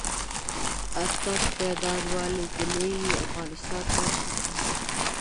آټک ، ميان والي د لويې افغانستان برخه دې